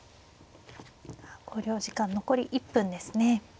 考慮時間残り１分ですね。